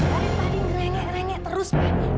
dari tadi ngerengek rengek terus pak